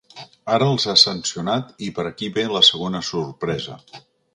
Ara els ha sancionat i per aquí ve la segona sorpresa.